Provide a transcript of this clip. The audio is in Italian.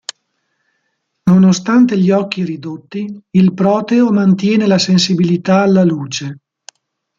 Nonostante gli occhi ridotti, il proteo mantiene la sensibilità alla luce.